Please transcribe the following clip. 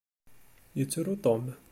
Yettru Tom.